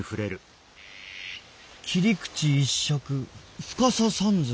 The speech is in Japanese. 切り口一尺深さ三寸。